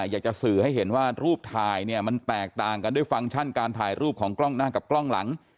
อยากจะสื่อให้เห็นว่ารูปถ่ายเนี่ยมันแตกต่างกันด้วยฟังก์ชั่นการถ่ายรูปของกล้องหน้ากับกล้องหลัง